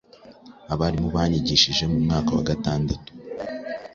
Abarimu banyigishije mu umwaka wa gatandatu